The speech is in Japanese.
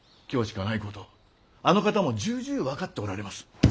今日しかないことあの方も重々分かっておられます。